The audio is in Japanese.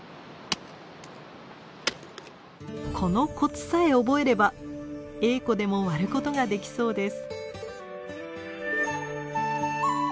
このコツさえ覚えればエーコでも割ることができそうです。